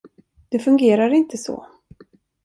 Det fungerar inte så!